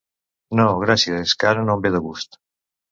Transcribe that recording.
No gràcies, és que ara no em ve de gust.